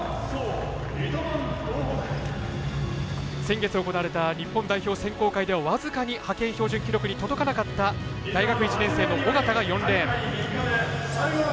先月行われた日本代表選考会では僅かに派遣標準記録に届かなかった大学１年生の小方が４レーン。